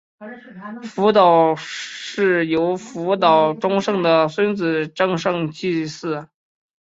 福岛氏由福岛忠胜的孙子正胜继嗣。